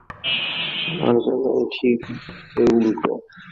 আমার বেলায় ঠিক এর উল্টো।